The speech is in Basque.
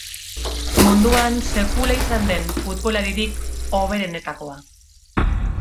Munduan sekula izan den futbolaririk hoberenetakoa.